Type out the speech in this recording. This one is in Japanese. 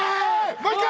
もう一回！